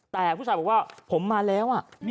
แต่ผู้ชายบอกว่าผมมาแล้ว